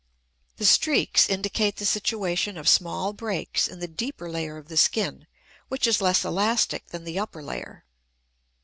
The streaks indicate the situation of small breaks in the deeper layer of the skin, which is less elastic than the upper layer.